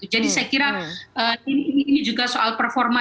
jadi saya kira ini juga soal performa